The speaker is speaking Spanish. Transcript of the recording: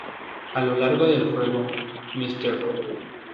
A lo largo del juego, Mr.